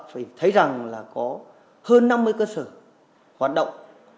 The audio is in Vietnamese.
phải thấy rằng là có hơn năm mươi cơ sở hoạt động